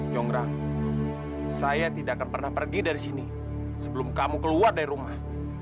jonggrang saya tidak akan pernah pergi dari sini sebelum kamu keluar dari rumah